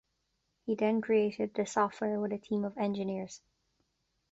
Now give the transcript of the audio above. He then created the software with a team of engineers.